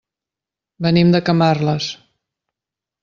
Venim de Camarles.